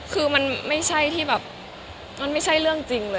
คือมันไม่ใช่ที่แบบมันไม่ใช่เรื่องจริงเลย